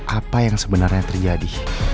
apa yang sebenarnya terjadi